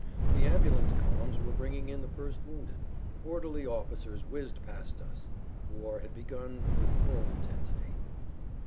The ambulance columns were bringing in the first wounded; orderly officers whizzed past us. War had begun with full intensity.